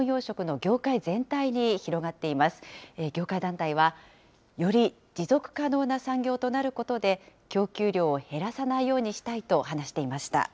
業界団体は、より持続可能な産業となることで、供給量を減らさないようにしたいと話していました。